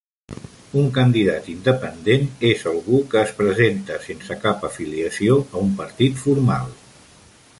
Un candidat independent és algú que es presenta sense cap afiliació a un partit formal.